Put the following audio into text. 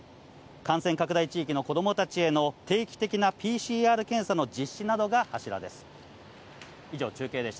感染拡大地域の子どもたちへの定期的なＰＣＲ検査の実施などが柱です。